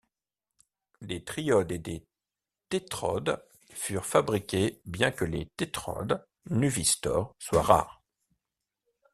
Des triodes et des tétrodes furent fabriquées bien que les tétrodes nuvistor soient rares.